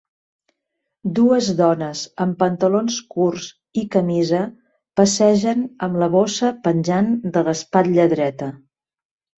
Dues dones amb pantalons curts i camisa passegen amb la bossa penjant de l'espatlla dreta.